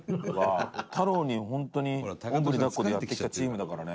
太郎に、本当におんぶに抱っこでやってきたチームだからね。